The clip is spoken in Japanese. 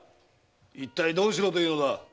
いったいどうしろというのだ。